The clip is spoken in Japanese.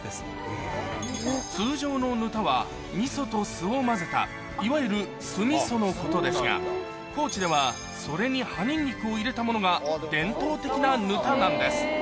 通常のぬたは味噌と酢を混ぜたいわゆる酢味噌のことですが高知ではそれに葉にんにくを入れたものが伝統的なぬたなんです